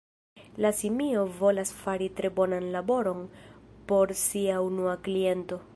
La simio volas fari tre bonan laboron por sia unua kliento.